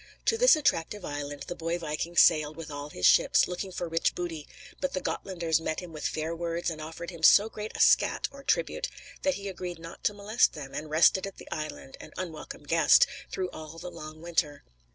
To this attractive island the boy viking sailed with all his ships, looking for rich booty, but the Gotlanders met him with fair words and offered him so great a "scatt," or tribute, that he agreed not to molest them, and rested at the island, an unwelcome guest, through all the long winter.